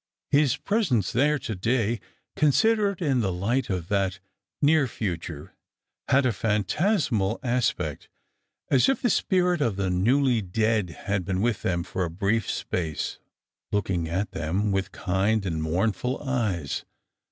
His presence there to day, considered in the light of that near future, had a phantasmal aspect, as if the spirit of the newly dead had been with them for a brief space, looking at them with kind and mournful eyes.